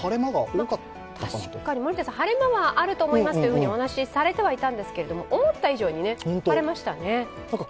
確かに、森田さん、晴れ間はあると思いますとお話されていたと思うんですけど、思った以上に晴れましたね。